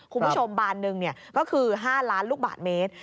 คุณผู้ชมบานหนึ่งก็คือ๕ล้านลูกบาทเมตร